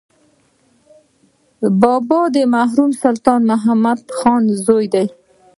بابا د مرحوم سلطان محمد خان زوی دی.